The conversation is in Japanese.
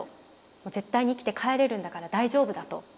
絶対に生きて帰れるんだから大丈夫だと。